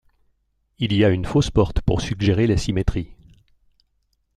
Il y a une fausse porte pour suggérer la symétrie.